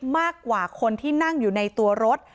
มากกว่าคนที่นั่งอยู่ในตัวรถ